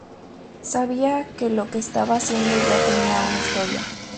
Sabía que lo que estaba haciendo ya tenía una historia".